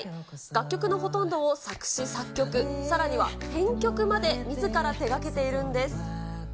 楽曲のほとんどを作詞作曲、さらには編曲までみずから手掛けているんです。